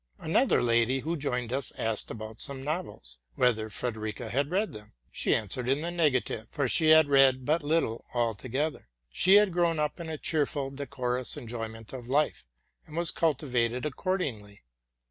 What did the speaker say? '' Another lady who joined us asked about some novels, — whether Frederica had read them. She answered in the neg ative, for she had read but little altogether. She had grown RELATING TO MY LIFE. 59 up ina cheerful, decorous enjoyment of life, and was culti vated accordingly.